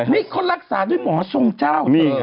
นี่เขารักษาด้วยหมอทรงเจ้านี่